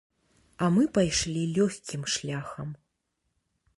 А мы пайшлі лёгкім шляхам.